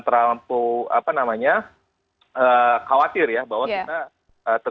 ee jadi kalau misalnya